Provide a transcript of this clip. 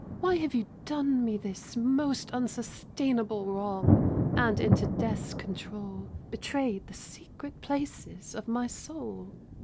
Why have you done me this Most unsustainable wrong, And into Death's control Betrayed the secret places of my soul?